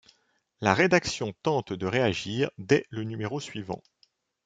La rédaction tente de réagir dès le numéro suivant.